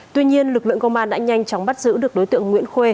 tuy nhiên lực lượng công an đã nhanh chóng bắt giữ được đối tượng nguyễn khuê